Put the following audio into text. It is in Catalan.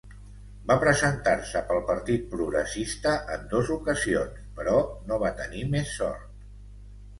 Va presentar-se pel partit progressista en dos ocasions, però no va tenir més sort.